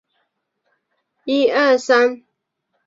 玄界滩是九州西北部的海域。